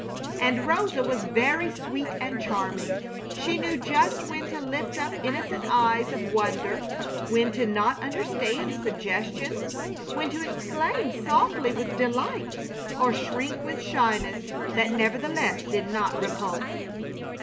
And Rosa was very sweet and charming. She knew just when to lift up innocent eyes of wonder; when to not understand suggestions; when to exclaim softly with delight or shrink with shyness that nevertheless did not repulse.